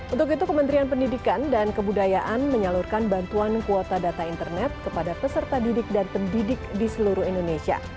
untuk itu kementerian pendidikan dan kebudayaan menyalurkan bantuan kuota data internet kepada peserta didik dan pendidik di seluruh indonesia